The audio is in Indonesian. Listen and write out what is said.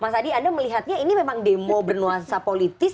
mas adi anda melihatnya ini memang demo bernuansa politis